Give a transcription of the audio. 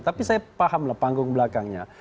tapi saya pahamlah panggung belakangnya